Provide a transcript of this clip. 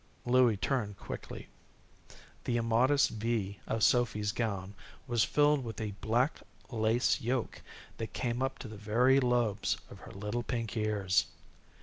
Louie turned quickly. The immodest V of Sophy's gown was filled with a black lace yoke that came up to the very lobes of her little pink ears.